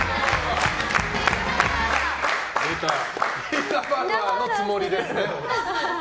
イナバウアーのつもりですね。